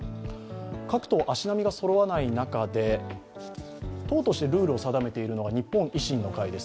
各党、足並みがそろわない中で党としてルールを定めているのが日本維新の会です。